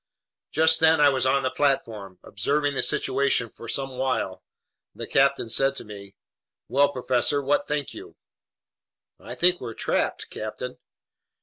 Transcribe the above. Just then I was on the platform. Observing the situation for some while, the captain said to me: "Well, professor! What think you?" "I think we're trapped, captain."